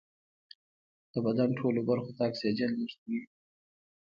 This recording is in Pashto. د بدن ټولو برخو ته اکسیجن لېږدوي